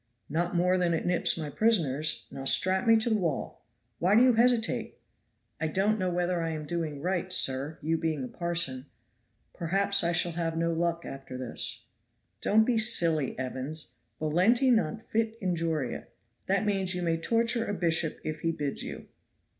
"Not more than it nips my prisoners. Now strap me to the wall. Why do you hesitate?" "I don't know whether I am doing right, sir, you being a parson. Perhaps I shall have no luck after this." "Don't be silly, Evans. Volenti non fit injuria that means, you may torture a bishop if he bids you."